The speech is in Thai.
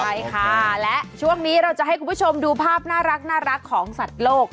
ใช่ค่ะและช่วงนี้เราจะให้คุณผู้ชมดูภาพน่ารักของสัตว์โลก